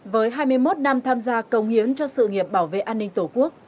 với hai mươi một năm tham gia công hiến cho sự nghiệp bảo vệ an ninh tổ quốc